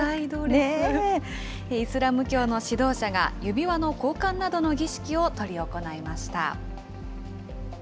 イスラム教の指導者が指輪の交換などの儀式を執り行いました。